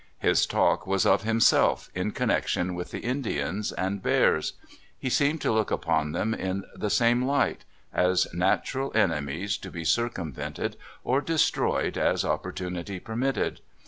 His talk was of himself, in connection with Indians and bears. He seemed to look upon them in the same light — as natural enemies, to be circumvented or destroyed as opportunity permitted.